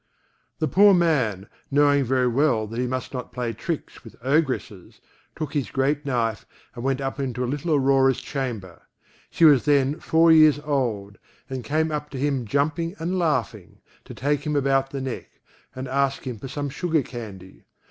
]] The poor man knowing very well that he must not play tricks with Ogresses, took his great knife and went up into little Aurora's chamber. She was then four years old, and came up to him jumping and laughing, to take him about the neck, and ask him for some sugar candy.